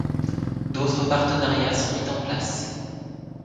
D'autres partenariats sont mis en place.